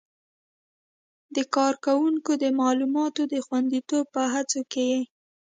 د کاروونکو د معلوماتو د خوندیتوب په هڅو کې یې